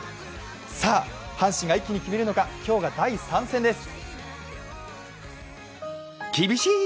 阪神が一気に決めるのか今日が第３戦です。